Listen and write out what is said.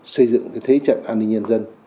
xây dựng cái thế trận an ninh nhân dân